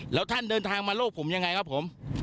แล้วท่านเดินทางมาโลกผมยังไงครับผม